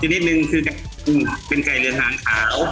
สินิมนึงเป็นไก่เรือหางหาว